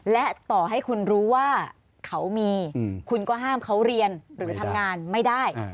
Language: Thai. และต่อให้คุณรู้ว่าเขามีคุณก็ห้ามเขาเรียนหรือทำงานไม่ได้